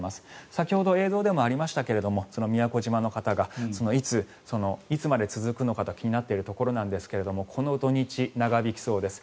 先ほど映像でもありましたが宮古島の方がいつまで続くのか気になっているところですがこの土日、長引きそうです。